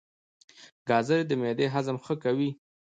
ګازرې د معدې هضم ښه کوي.